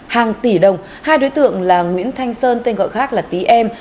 hàng tỷ đồng hai đối tượng là nguyễn thanh sơn tên gọi khác là tý em